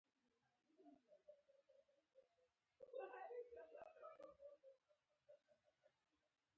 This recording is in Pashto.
ورږۀ د پښتنو دوديز خواړۀ دي